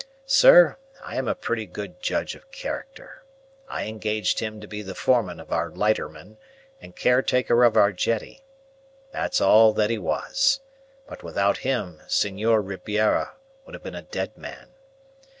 Sir, I am a pretty good judge of character. I engaged him to be the foreman of our lightermen, and caretaker of our jetty. That's all that he was. But without him Senor Ribiera would have been a dead man.